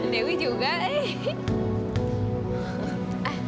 dewi juga eh